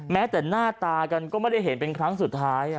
แม้แต่หน้าตากันก็ไม่ได้เห็นเป็นครั้งสุดท้าย